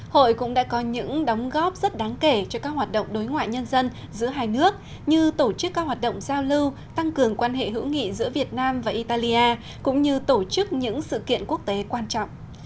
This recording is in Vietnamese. hội cũng đã có những đóng góp rất đáng kể cho các hoạt động đối ngoại nhân dân giữa hai nước như tổ chức các hoạt động giao lưu tăng cường quan hệ hữu nghị giữa việt nam và italia cũng như tổ chức những sự kiện quốc tế quan trọng